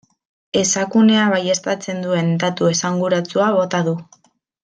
Esakunea baieztatzen duen datu esanguratsua bota du.